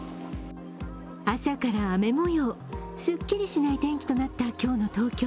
朝から雨模様、すっきりしない天気となった今日の東京。